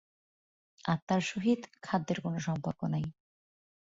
আত্মার সহিত খাদ্যের কোন সম্পর্ক নাই।